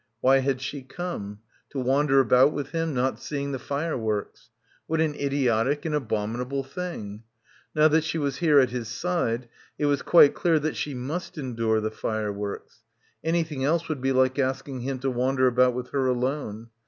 Why had she come; to wander about with him, not seeing the fireworks. What an idiotic and abominable thing. Now that she was here at his side it was quite clear that she must endure the fireworks. Anything else would be like asking him to wan der about with her alone.